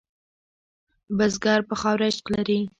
بزګر په خاوره عشق لري